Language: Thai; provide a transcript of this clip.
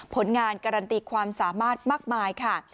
ผลงานการันตีความสามารถมากมายค่ะ